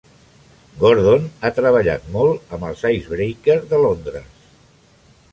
Gordon ha treballat molt amb els Icebreaker de Londres.